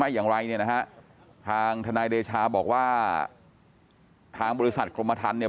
อย่างไรเนี่ยนะฮะทางทนายเดชาบอกว่าทางบริษัทกรมทันเนี่ย